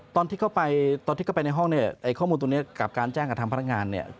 ตอนที่เข้าไปตอนที่เข้าไปในห้องเนี่ยไอ้ข้อมูลตรงนี้กับการแจ้งกับทางพนักงานเนี่ย